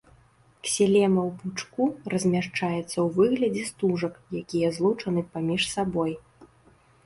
Ксілема ў пучку размяшчаецца ў выглядзе стужак, якія злучаны паміж сабой.